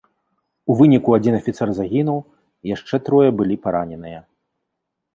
У выніку адзін афіцэр загінуў, яшчэ трое былі параненыя.